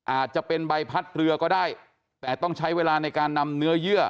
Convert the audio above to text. อาจจะเป็นใบพัดเรือก็ได้แต่ต้องใช้เวลาในการนำเนื้อเยื่อ